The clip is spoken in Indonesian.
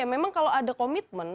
memang kalau ada komitmen